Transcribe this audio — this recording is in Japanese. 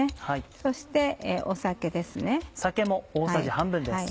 そして酒です。